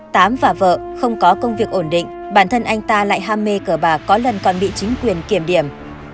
tám và vợ không có công việc ổn định bản thân anh ta lại ham mê cờ bà có lần còn bị chính quyền kiểm điểm